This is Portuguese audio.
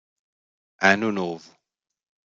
Ano novo